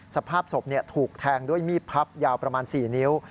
สภาพศพถูกแทงด้วยมีดพับยาวประมาณ๔นิ้ว